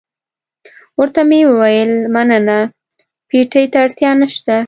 ورته ومې ویل مننه، پېټي ته اړتیا نشته.